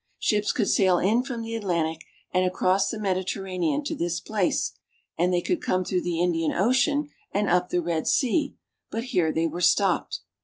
Ships could sail in from the Atlantic and across the Mediterranean to this place, and they could come through the Indian Ocean and up the Red Sea, but here they were stopped.